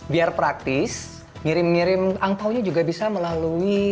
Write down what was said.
biar praktis ngirim ngirim angpaunya juga bisa melalui